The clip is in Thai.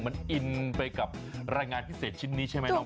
มันอินไปกับรายงานพิเศษชิ้นนี้ใช่ไหมน้อง